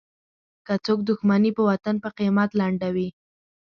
که څوک دوښمني په وطن په قیمت لنډوي.